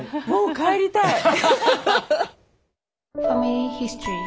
もう帰りたい。